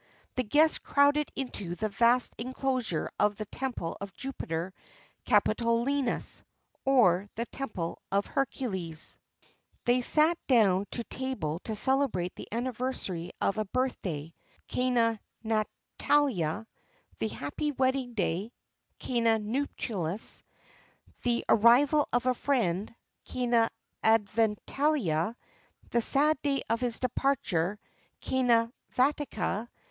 [XXX 28] The guests crowded into the vast inclosure of the temple of Jupiter Capitolinus,[XXX 29] or the temple of Hercules.[XXX 30] They sat down to table to celebrate the anniversary of a birth day (cœna natalitia),[XXX 31] the happy wedding day (cœna nuptialis),[XXX 32] the arrival of a friend (cœna adventitia),[XXX 33] the sad day of his departure (cœna viatica).